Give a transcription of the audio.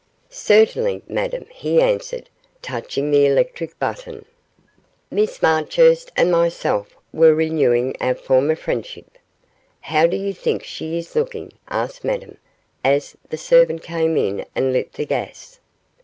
'Certainly, Madame,' he answered, touching the electric button, 'Miss Marchurst and myself were renewing our former friendship.' 'How do you think she is looking?' asked Madame, as the servant came in and lit the gas.